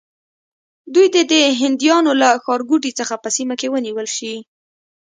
دوی دې د هندیانو له ښارګوټو څخه په سیمه کې ونیول شي.